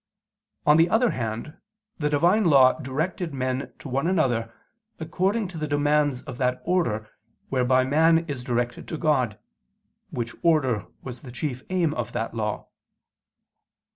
On the other hand the Divine law directed men to one another according to the demands of that order whereby man is directed to God, which order was the chief aim of that law.